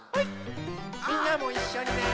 みんなもいっしょにね。